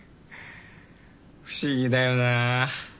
不思議だよなぁ。